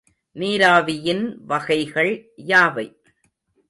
நீராவியின் வகைகள் யாவை?